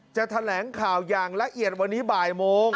แถลงข่าวอย่างละเอียดวันนี้บ่ายโมง